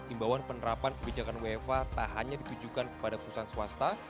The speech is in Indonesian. imbauan penerapan kebijakan wfh tak hanya ditujukan kepada perusahaan swasta